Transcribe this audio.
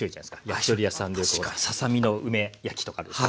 焼き鳥屋さんでささ身の梅焼きとか。